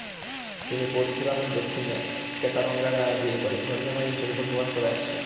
তিনি পরশুরামের দক্ষিণ কেতরাঙ্গা গ্রামে বিয়ে করে ঘরজামাই হিসেবে বসবাস করে আসছেন।